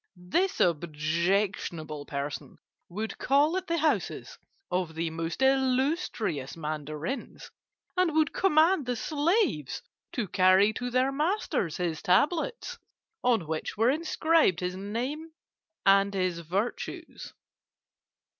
This objectionable person would call at the houses of the most illustrious Mandarins, and would command the slaves to carry to their masters his tablets, on which were inscribed his name and his virtues.